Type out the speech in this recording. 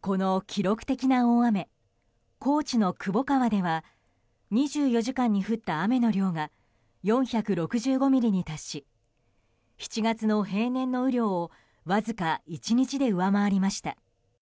この記録的な大雨高知の窪川では２４時間に降った雨の量が４６５ミリに達し７月の平年の雨量をわずか１日で上回りました。